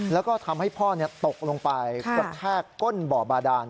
แล้วก็ทำให้พ่อตกลงไปกระแทกก้นบ่อบาดาน